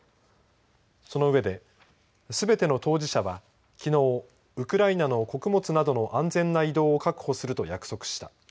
その上ですべての当事者は、きのうウクライナの穀物などの安全な移動を確保すると約束した。